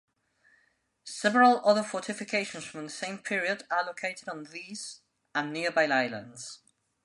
Several other fortifications from the same period are located on this, and nearby islands.